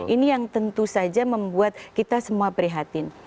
ini yang tentu saja membuat kita semua prihatin